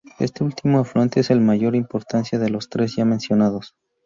Este último afluente es el de mayor importancia de los tres ya mencionados.